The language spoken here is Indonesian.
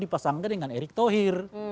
dibacasangkan dengan erick thohir